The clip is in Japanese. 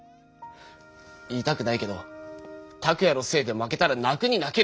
言いたくないけどタクヤのせいで負けたら泣くに泣けないよ！